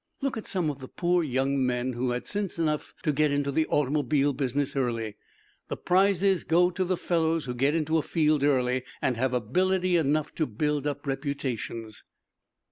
Look at some of the poor young men who had sense enough to get into the automobile business early. The prizes go to the fellows who get into a field early and have ability enough to build up reputations."